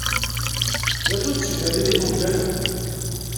Acu n tessegnatin i k-wten?